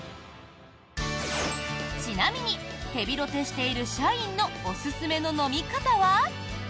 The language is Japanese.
ちなみにヘビロテしている社員のおすすめの飲み方は。